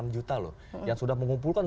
enam juta loh yang sudah mengumpulkan